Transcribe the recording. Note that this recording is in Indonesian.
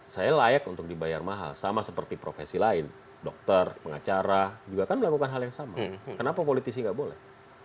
saya layak untuk dibayar mahal sama seperti profesi lain dokter pengacara juga kan melakukan hal yang sama kenapa politisi nggak boleh